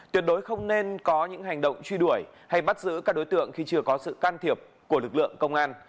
tuyệt đối không nên có những hành động truy đuổi hay bắt giữ các đối tượng khi chưa có sự can thiệp của lực lượng công an